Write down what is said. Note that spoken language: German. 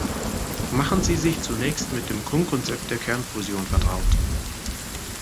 Machen Sie sich zunächst mit dem Grundkonzept der Kernfusion vertraut.